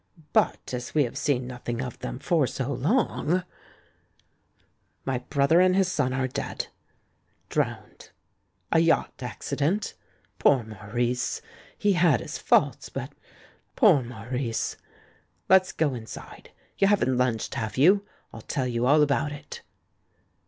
But as we have seen nothing of them for so long — My brother and his son are dead —• drowned. A yacht accident. Poor ^laurice ! He had his faults, but — poor Maurice !... Let's go inside — you haven't lunched, have you? I'll tell you all about it."